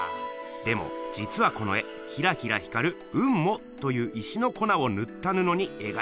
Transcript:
でもじつはこの絵キラキラ光る「うんも」という石のこなをぬったぬのにえがいています。